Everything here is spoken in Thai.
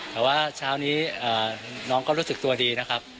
แต่ว่าเช้านี้น้องก็รู้สึกตัวดีนะครับ